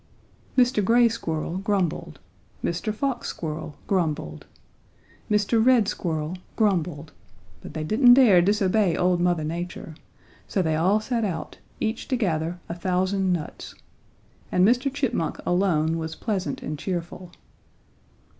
"Mr. Gray Squirrel grumbled. Mr. Fox Squirrel grumbled. Mr. Red Squirrel grumbled. But they didn't dare disobey old Mother Nature, so they all set out, each to gather a thousand nuts. And Mr. Chipmunk alone was pleasant and cheerful.